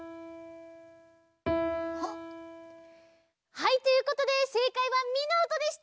はいということでせいかいはミのおとでした！